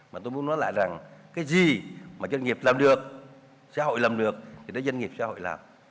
mà tôi muốn nói lại rằng cái gì mà doanh nghiệp làm được xã hội làm được thì đó doanh nghiệp xã hội làm